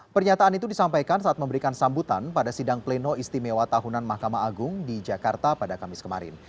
pernyataan itu disampaikan saat memberikan sambutan pada sidang pleno istimewa tahunan mahkamah agung di jakarta pada kamis kemarin